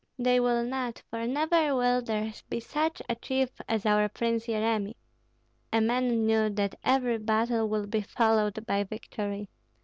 They will not, for never will there be such a chief as our Prince Yeremi. A man knew that every battle would be followed by victory.